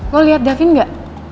lo liat davin gak